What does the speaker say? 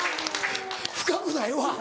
深くないわ！